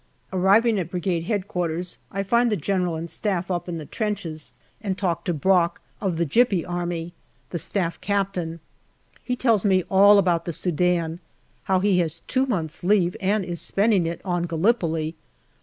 Arriving at Brigade H.Q., I find the General and Staff up in the trenches, and talk to Brock, of the Gypy Army, the Staff Captain. He tells me all about the Sudan how he has two months' leave and is spending it on Gallipoli.